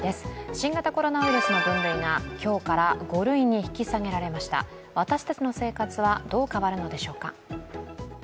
新型コロナウイルスの分類が今日から５類に引き下げられました私たちの生活はどう変わるのでしょうか。